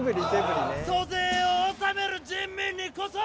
租税を納める人民にこそ！